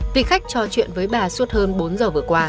vị khách trò chuyện với bà suốt hơn bốn h vừa qua